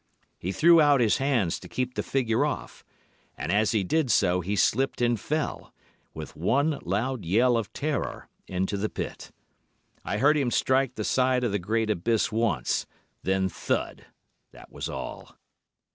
He threw out his hands to keep the figure off, and, as he did so, he slipped, and fell, with one loud yell of terror, into the pit. I heard him strike the side of the great abyss once—then thud—that was all!